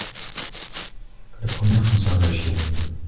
La première concerne la Gironde.